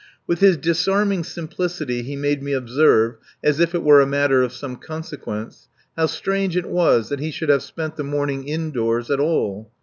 With his disarming simplicity he made me observe, as if it were a matter of some consequence, how strange it was that he should have spent the morning indoors at all.